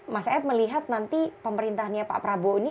mas ed melihat nanti pemerintahnya pak prabowo ini